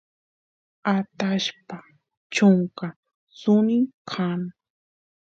atashpa chunka suni kan